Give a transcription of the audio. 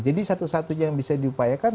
satu satunya yang bisa diupayakan